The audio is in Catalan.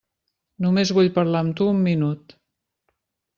Només vull parlar amb tu un minut.